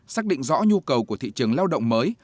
xác định rõ nhu cầu của thị trường lao động mới